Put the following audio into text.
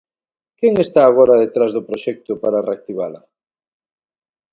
Quen está agora detrás do proxecto para reactivala?